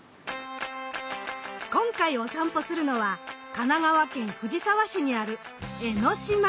今回お散歩するのは神奈川県藤沢市にある江の島。